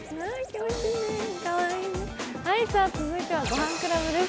続いては「ごはんクラブ」です。